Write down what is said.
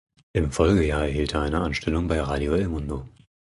Im Folgejahr erhielt er eine Anstellung bei "Radio El Mundo".